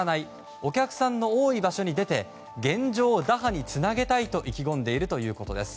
お客さんの多い場所に出て現状打破につなげたいと意気込んでいるということです。